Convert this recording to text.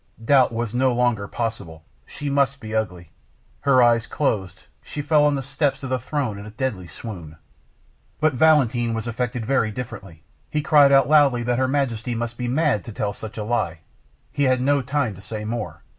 Doubt was no longer possible, she must be ugly. Her eyes closed, she fell on the steps of the throne in a deadly swoon. But Valentin was affected very differently. He cried out loudly that her Majesty must be mad to tell such a lie. He had no time to say more.